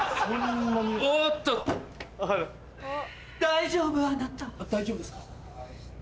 大丈夫ですか？